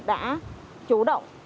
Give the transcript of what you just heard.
đã chủ động